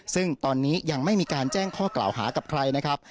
ซึ่งตอนนี้ยังไม่มีการแจ้งข้อกล่าวหากับใครนะครับ